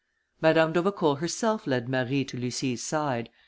Madame d'Aubecourt herself led Marie to Lucie's side.